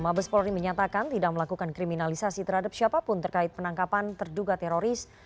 mabes polri menyatakan tidak melakukan kriminalisasi terhadap siapapun terkait penangkapan terduga teroris